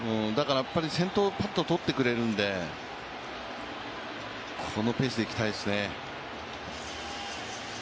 先頭バッター取ってくれるので、このペースでいきたいですね。